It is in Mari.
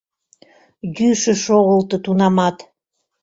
Йӱшӧ шогылто тунамат.